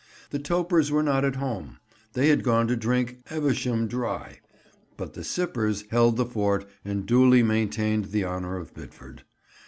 The Topers were not at home; they had gone to drink Evesham dry; but the Sippers held the fort and duly maintained the honour of Bidford.